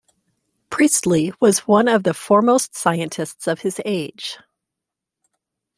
Priestley was one of the foremost scientists of his age.